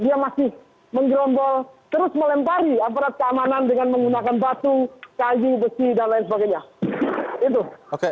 kalian bisa lihat dia masih menggerombol terus melempari aparat keamanan dengan menggunakan batu kayu besi dll